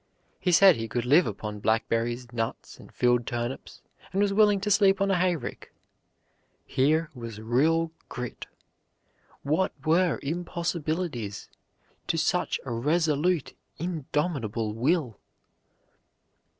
He said he could live upon blackberries, nuts, and field turnips, and was willing to sleep on a hayrick. Here was real grit. What were impossibilities to such a resolute, indomitable will?